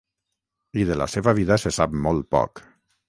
I de la seva vida se sap molt poc.